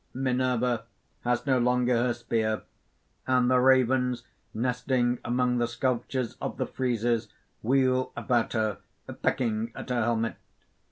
_) MINERVA (_has no longer her spear; and the ravens nesting among the sculptures of the friezes, wheel about her, peeking at her helmet.